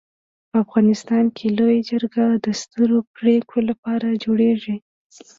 په افغانستان کي لويه جرګه د سترو پريکړو لپاره جوړيږي.